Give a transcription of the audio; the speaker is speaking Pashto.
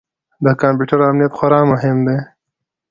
د کمپیوټر امنیت خورا مهم دی.